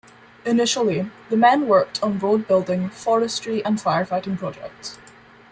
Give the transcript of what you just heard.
Initially the men worked on road building, forestry and firefighting projects.